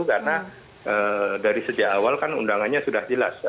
karena dari sejak awal kan undangannya sudah jelas